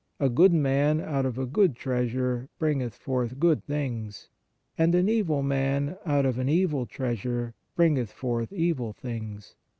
12:35. A good man out of a good treasure bringeth forth good things: and an evil man out of an evil treasure bringeth forth evil things.